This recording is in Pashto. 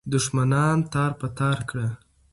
دښمنان تار په تار کړه.